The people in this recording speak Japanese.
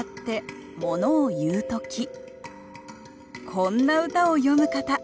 こんな歌を詠む方。